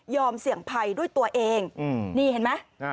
ยอมเสี่ยงภัยด้วยตัวเองอืมนี่เห็นไหมอ่า